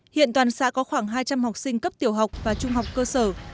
hiện toàn xã có khoảng hai trăm linh học sinh cấp tiểu học và trung học cơ sở